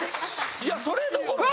いやそれどころじゃ。